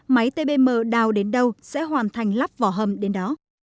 máy tbm đào đến đâu sẽ hoàn thành lắp vỏ hầm đến đó